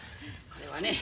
これはね